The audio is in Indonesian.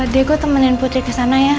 dia gue temenin putri kesana ya